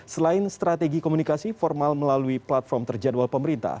selain strategi komunikasi formal melalui platform terjadwal pemerintah